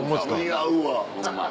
似合うわ。